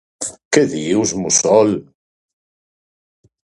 Què dius mussol!